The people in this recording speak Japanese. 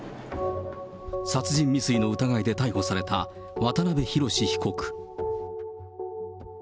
殺人未遂の疑いで逮捕された渡辺宏被告。